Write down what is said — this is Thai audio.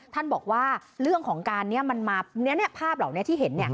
ท่านบอกว่าเรื่องของการนี้มันมาภาพเหล่านี้ที่เห็น